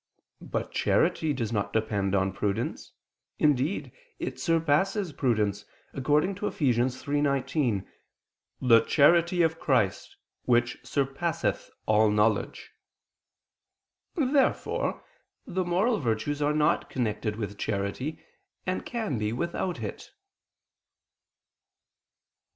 But charity does not depend on prudence; indeed, it surpasses prudence, according to Eph. 3:19: "The charity of Christ, which surpasseth all knowledge." Therefore the moral virtues are not connected with charity, and can be without it.